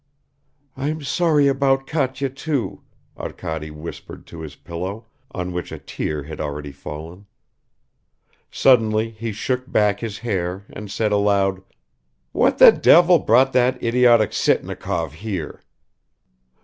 "I'm sorry about Katya too," Arkady whispered to his pillow, on which a tear had already fallen ... Suddenly he shook back his hair and said aloud: "What the devil brought that idiotic Sitnikov here?"